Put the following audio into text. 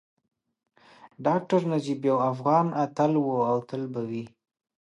ډاکټر نجیب یو افغان اتل وو او تل به وي